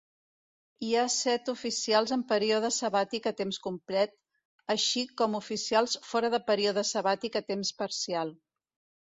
Hi ha set oficials en període sabàtic a temps complet, així com oficials fora de període sabàtic a temps parcial.